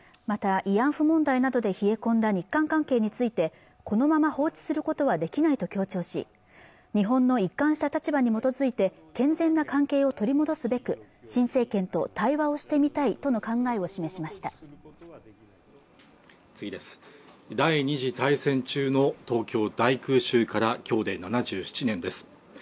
また慰安婦問題などで冷え込んだ日韓関係についてこのまま放置することはできないと強調し日本の一貫した立場に基づいて健全な関係を取り戻すべく新政権と対話をしてみたいとの考えを示しました第２次大戦中の東京大空襲からきょうで７７年です